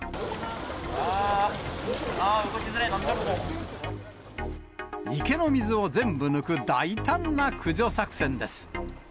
あー、動きづれー、池の水を全部抜く、大胆な駆除作戦です。